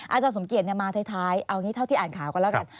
อาจารย์สมเกียจมาท้ายเอางี้เท่าที่อ่านข่าวกันแล้วกัน